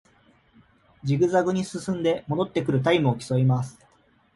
ジグザグに進んで戻ってくるタイムを競います